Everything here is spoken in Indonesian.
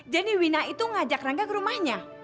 jadi wina itu ngajak rangga ke rumahnya